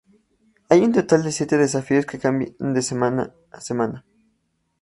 Hay un total de siete desafíos que cambian de semana a semana.